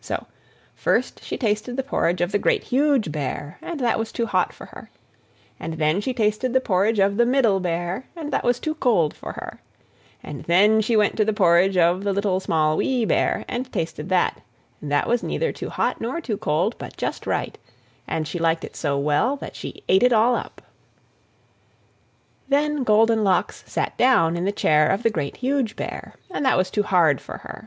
So first she tasted the porridge of the Great, Huge Bear, and that was too hot for her. And then she tasted the porridge of the Middle Bear, and that was too cold for her. And then she went to the porridge of the Little, Small, Wee Bear, and tasted that; and that was neither too hot nor too cold, but just right, and she liked it so well that she ate it all up. Then Goldenlocks sat down in the chair of the Great, Huge Bear, and that was too hard for her.